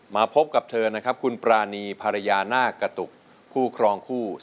มาพบกับเธอนะครับคุณปรานีภรรยานาคกระตุกคู่ครองคู่